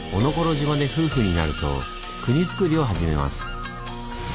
島で夫婦になると国づくりを始めます。